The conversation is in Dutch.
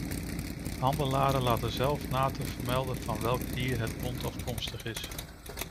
Handelaren laten zelfs na te vermelden van welk dier het bont afkomstig is.